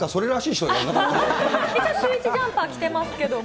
一応、シューイチジャンパー着ていますけれども。